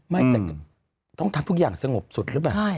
ไม่แต่ต้องทำทุกอย่างสงบสุดหรือเปล่า